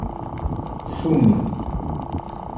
Summ.